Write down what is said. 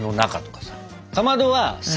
かまどは坂。